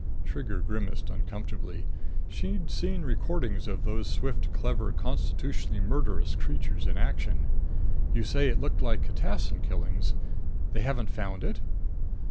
Trigger grimaced uncomfortably. She'd seen recordings of those swift, clever, constitutionally murderous creatures in action. "You say it looked like catassin killings. They haven't found it?"